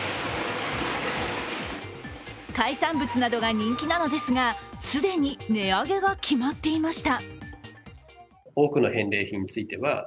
海産物などが人気なのですが既に値上げが決まっていました。